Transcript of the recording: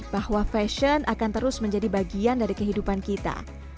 bahwa fashion akan terus menjadi bagian dari kehidupan kita